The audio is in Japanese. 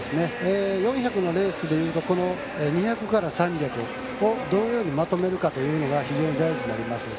４００のレースでいうとこの２００から３００をどういうようにまとめるかというのが非常に大事になります。